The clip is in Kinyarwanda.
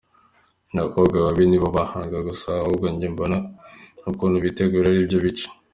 abakobwa babi nibo bahanga gusa? Ahubwo njye mbona ukuntu bitegurwa aribyo bica.